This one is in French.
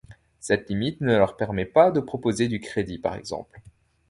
Cette limite ne leur permet pas de proposer du crédit par exemple.